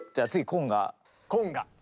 コンガ。